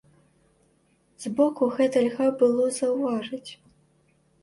Збоку гэта льга было заўважыць.